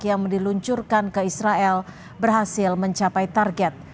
yang diluncurkan ke israel berhasil mencapai target